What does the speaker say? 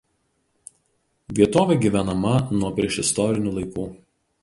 Vietovė gyvenama nuo priešistorinių laikų.